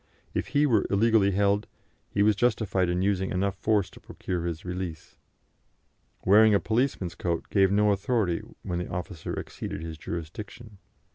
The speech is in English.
If he were illegally held, he was justified in using enough force to procure his release. Wearing a policeman's coat gave no authority when the officer exceeded his jurisdiction.